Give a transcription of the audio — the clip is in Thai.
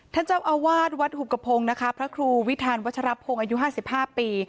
ท่านเจ้าอาวาสวัดหุบกระพงศ์นะคะพระครูวิทานวัชรพงศ์อายุ๕๕ปี